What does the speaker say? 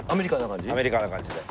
アメリカンな感じで。